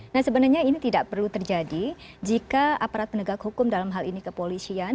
nah sebenarnya ini tidak perlu terjadi jika aparat penegak hukum dalam hal ini kepolisian